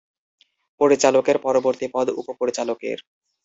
পরিচালকের পরবর্তী পদ উপ-পরিচালকের।